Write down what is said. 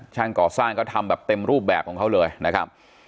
ก่อสร้างก็ทำแบบเต็มรูปแบบของเขาเลยนะครับ